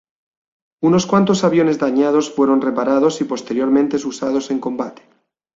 Unos cuantos aviones dañados fueron reparados, y posteriormente usados en combate.